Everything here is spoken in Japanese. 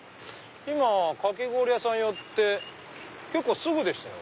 今かき氷屋さん寄って結構すぐでしたよ。